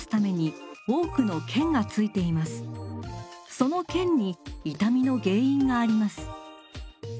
その腱に痛みの原因があります。